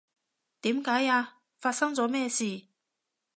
點解呀？發生咗咩事？